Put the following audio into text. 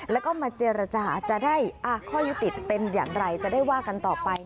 แล้วก็มาเจรจาจะได้ข้อยุติเป็นอย่างไรจะได้ว่ากันต่อไป